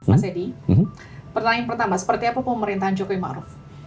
mas edi pertanyaan pertama seperti apa pemerintahan jokowi ⁇ maruf ⁇